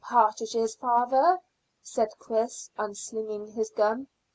"Partridges, father," said Chris, unslinging his gun.